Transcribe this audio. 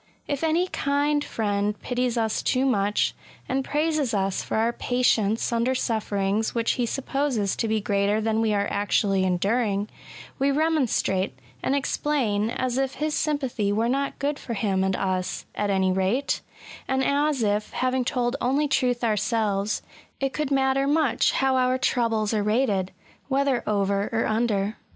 If any kind friend pities us too much, and praises us for our patience under sufferings which he supposes to be greater than we are actually enduring, we remonstrate, and explain, as if his sympathy were not good for him and us, at any rate ; and as if, having told only truth ourselves, it could matter much how our troubles are rated — ^whether over or under.